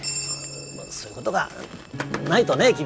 まあそういう事がないとね君。